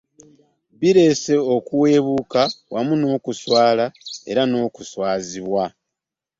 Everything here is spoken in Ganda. Bireese okuweebuuka wamu n'okuswala era n'okuswazibwa